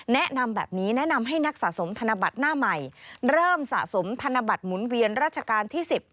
แนะนำแบบนี้แนะนำให้นักสะสมธนบัตรหน้าใหม่เริ่มสะสมธนบัตรหมุนเวียนราชการที่๑๐